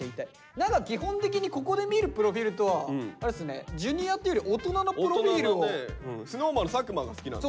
何か基本的にここで見るプロフィールとはあれですねＪｒ．っていうよりＳｎｏｗＭａｎの佐久間が好きなんだ。